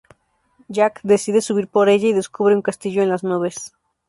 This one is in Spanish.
Jack decide subir por ella y descubre un castillo en las nubes.